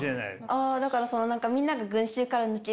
ああだからその何かみんながうわあ。